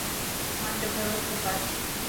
مانجو ڀروسو ڪر.